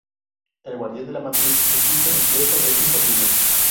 El Guardián de la Matriz insiste en que eso es imposible.